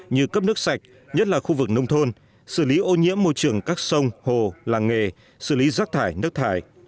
như cấp nước sạch nhất là khu vực nông thôn xử lý ô nhiễm môi trường các sông hồ làng nghề xử lý rác thải nước thải